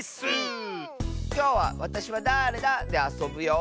きょうは「わたしはだれだ？」であそぶよ！